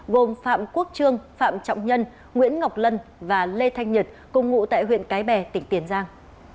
gồm phạm quốc trương phạm trọng nhân nguyễn ngọc lân và lê thanh nhật cùng ngụ tại huyện cái bè tỉnh tiền giang